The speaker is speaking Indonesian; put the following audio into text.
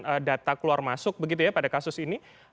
ada data keluar masuk begitu ya pada kasus ini